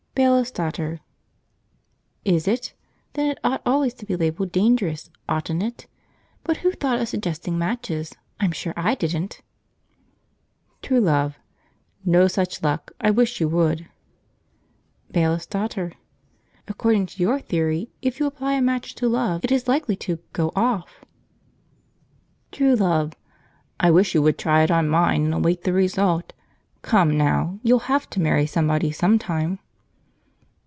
Bailiff's Daughter. "Is it? Then it ought always to be labelled 'dangerous,' oughtn't it? But who thought of suggesting matches? I'm sure I didn't!" True Love. "No such luck; I wish you would." Bailiff's Daughter. "According to your theory, if you apply a match to Love it is likely to 'go off.'" True Love. "I wish you would try it on mine and await the result. Come now, you'll have to marry somebody, sometime."